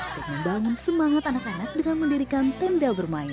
dan membangun semangat anak anak dengan mendirikan tenda bermain